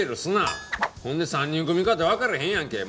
ほんで３人組かてわからへんやんけ。